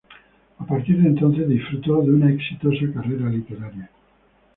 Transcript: A partir de entonces disfrutó de una exitosa carrera literaria.